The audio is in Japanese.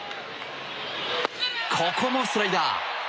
ここもスライダー！